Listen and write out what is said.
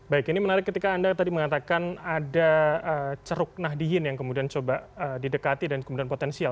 baik ini menarik ketika anda tadi mengatakan ada ceruk nahdiyin yang kemudian coba didekati dan kemudian potensial